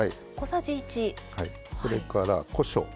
それからこしょう。